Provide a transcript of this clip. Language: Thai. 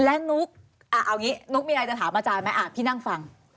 และนุ๊กเอาอย่างนี้นุ๊กมีอะไรจะถามอาจารย์ไหมพี่นั่งฟัง